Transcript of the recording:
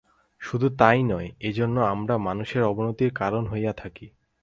শুধু তাই নয়, এজন্য আমরা মানুষেরও অবনতির কারণ হইয়া থাকি।